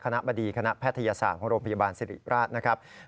บดีคณะแพทยศาสตร์ของโรงพยาบาลสิริราชนะครับ